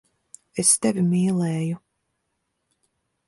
Es tevi mīlēju.